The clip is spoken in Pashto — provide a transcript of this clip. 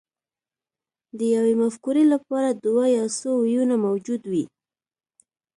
د یوې مفکورې لپاره دوه یا څو ویونه موجود وي